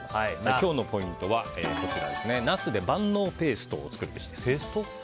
今日のポイントはナスで万能ペーストを作るべし。